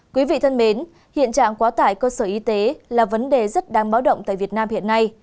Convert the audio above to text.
quý vị thân mến hiện trạng quá tải cơ sở y tế là vấn đề rất đáng báo động tại việt nam hiện nay